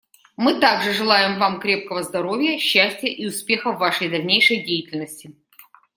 Мы также желаем Вам крепкого здоровья, счастья и успехов в Вашей дальнейшей деятельности.